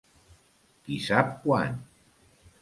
Qui sap quan.